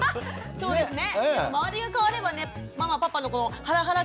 そうですね。